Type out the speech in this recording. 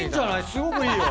すごくいいよ。